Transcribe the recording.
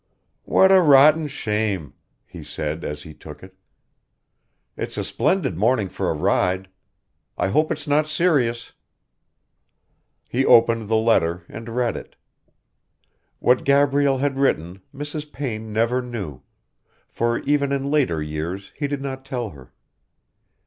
"What a rotten shame," he said as he took it. "It's a splendid morning for a ride. I hope it's not serious." He opened the letter and read it. What Gabrielle had written Mrs. Payne never knew, for even in later years he did not tell her.